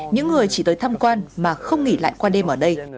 những người chỉ tới tham quan mà không nghỉ lại qua đêm ở đây